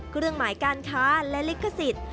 เครื่องหมายการค้าและลิขสิทธิ์